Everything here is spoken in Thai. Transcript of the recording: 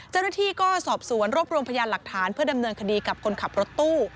เจ้าหน้าที่ก็สอบสวนรวบรวมพยานหลักฐานเพื่อดำเนินคดีกับคนขับรถตู้